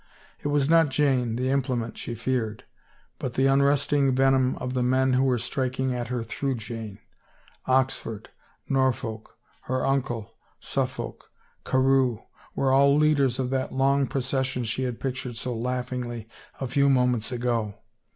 It wa^ not Jane, the im plement, she feared, but the unresting venom of the men who were striking at her through Jane ; Oxford, Norfolk, her uncle, Suffolk, Carewe, were all leaders of that long procession she had pictured so laughingly a few mo ments ago.